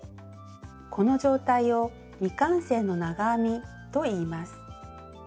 この状態を「未完成の長編み」といいます。